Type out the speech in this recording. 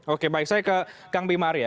oke baik saya ke kang bima hari ya